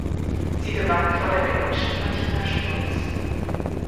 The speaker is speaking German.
Sie gewann vor der Deutschen Martina Strutz.